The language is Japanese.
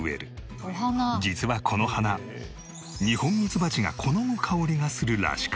実はこの花ニホンミツバチが好む香りがするらしく。